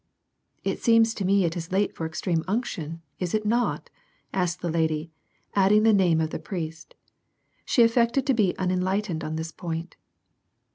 " It seems to me it is late for extreme unction, is it not ?" asked the lady, adding the name of the priest. She affected to be unenlightened upon this point.